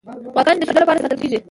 غواګانې د شیدو لپاره ساتل کیږي.